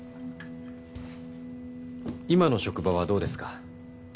今の職場はどうですか？